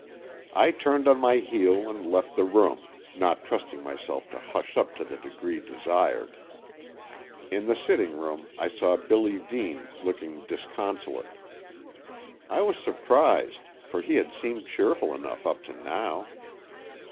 I turned on my heel and left the room, not trusting myself to hush up to the degree desired. In the sitting room, I saw Billy Dean, looking disconsolate. I was surprised, for he had seemed cheerful enough up to now.